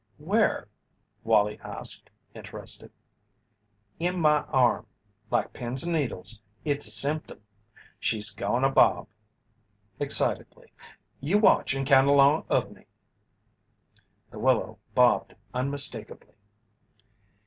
"Where?" Wallie asked, interested. "In my arm like pins and needles it's a symptom. She's goin' to bob!" Excitedly. "You watch and count along of me." The willow bobbed unmistakably.